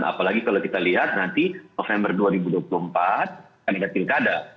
apalagi kalau kita lihat nanti november dua ribu dua puluh empat akan ada pilkada